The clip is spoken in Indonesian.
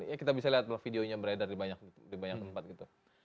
ya kita bisa lihat bahwa videonya beredar di banyak tempat gitu